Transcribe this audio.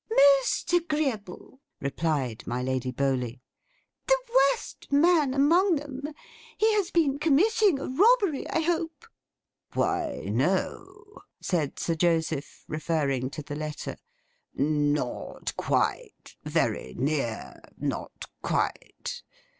'Most agreeable!' replied my Lady Bowley. 'The worst man among them! He has been committing a robbery, I hope?' 'Why no,' said Sir Joseph', referring to the letter. 'Not quite. Very near. Not quite.